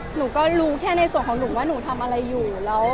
หนูก็รู้แค่ในส่วนของหนูว่าหนูทำอะไรอยู่แล้ว